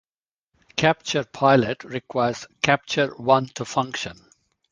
Capture Pilot requires Capture One to function.